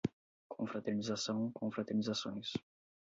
Confraternização, confraternizações